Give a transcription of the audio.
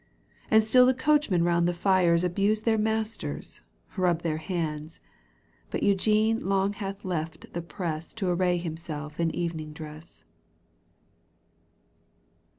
And still the coachmen round the fires " Abuse their masters, rub their hands : But Eugene long hath left the press To array himself in evening dress.